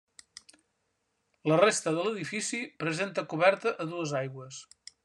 La resta de l'edifici presenta coberta a dues aigües.